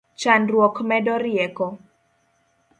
Chandruok medo rieko